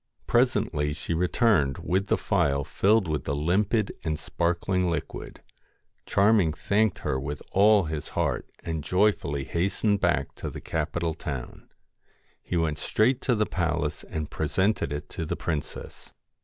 Presently she returned, with the phial filled with the limpid and sparkling liquid. Charming thanked her with all his heart, and joyfully hastened back to the capital town. He went straight to the palace and presented it to the princess.